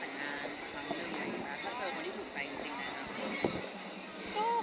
ถ้าเจอคนที่ผูดใจจริงนั่กประมาณมนต์